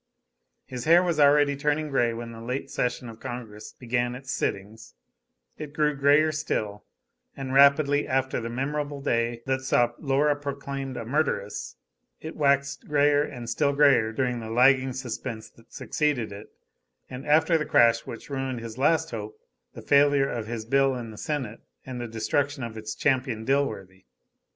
His hair was already turning gray when the late session of Congress began its sittings; it grew grayer still, and rapidly, after the memorable day that saw Laura proclaimed a murderess; it waxed grayer and still grayer during the lagging suspense that succeeded it and after the crash which ruined his last hope the failure of his bill in the Senate and the destruction of its champion, Dilworthy.